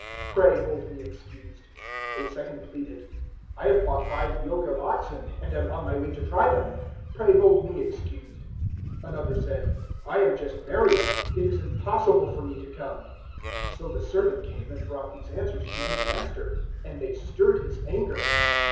Pray hold me excused.' 014:019 "A second pleaded, "`I have bought five yoke of oxen, and am on my way to try them. Pray hold me excused.' 014:020 "Another said, "`I am just married. It is impossible for me to come.' 014:021 "So the servant came and brought these answers to his master, and they stirred his anger.